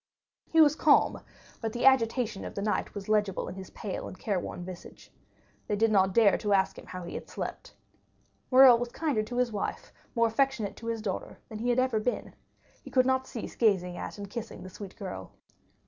He was calm; but the agitation of the night was legible in his pale and careworn visage. They did not dare to ask him how he had slept. Morrel was kinder to his wife, more affectionate to his daughter, than he had ever been. He could not cease gazing at and kissing the sweet girl.